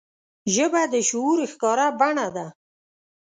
ژبه د شعور ښکاره بڼه ده